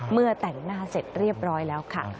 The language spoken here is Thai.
เมื่อแต่งหน้าเสร็จเรียบร้อยแล้วค่ะ